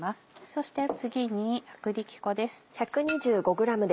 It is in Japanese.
そして次に薄力粉です。